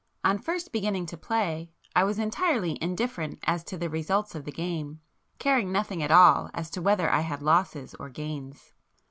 On first beginning to play I was entirely indifferent as to the results of the game, caring nothing at all as to whether I had losses or gains.